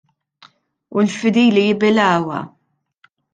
U l-fidili jibilgħuha.